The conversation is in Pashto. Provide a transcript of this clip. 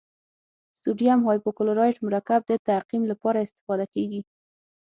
سوډیم هایپوکلورایت مرکب د تعقیم لپاره استفاده کیږي.